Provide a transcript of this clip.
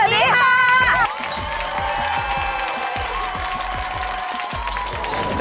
สวัสดีค่ะ